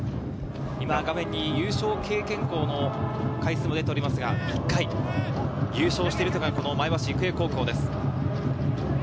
優勝経験校の回数も出ていますが、１回優勝しているというのが前橋育英高校です。